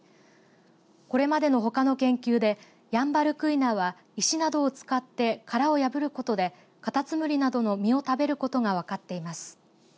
これまでのほかの研究でヤンバルクイナは石などを使って殻を破ることでカタツムリなどの身を食べることが分かっています。